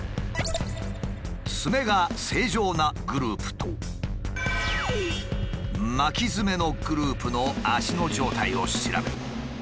ツメが正常なグループと巻きヅメのグループの足の状態を調べる。